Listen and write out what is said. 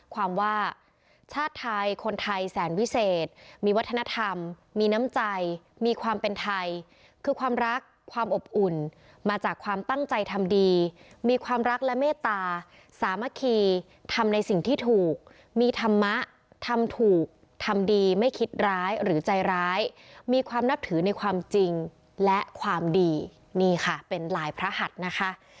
ความว่าชาติไทยคนไทยแสนวิเศษมีวัฒนธรรมมีน้ำใจมีความเป็นไทยคือความรักความอบอุ่นมาจากความตั้งใจทำดีมีความรักและเมตตาสามัคคีทำในสิ่งที่ถูกมีธรรมะทำถูกทำดีไม่คิดร้ายหรือใจร้ายมีความนับถือในความจริงและความดีนี่ค่ะเป็นหลายพระหัสนะคะ